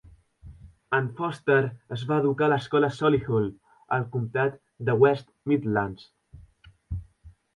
En Foster es va educar a l'escola Solihull, al comtat de West Midlands.